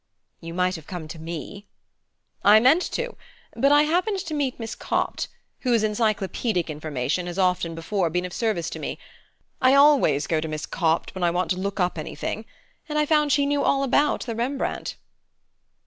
"You might have come to me." "I meant to; but I happened to meet Miss Copt, whose encyclopædic information has often before been of service to me. I always go to Miss Copt when I want to look up anything; and I found she knew all about the Rembrandt."